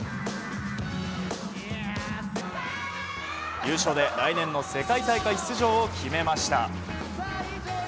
優勝で来年の世界大会出場を決めました。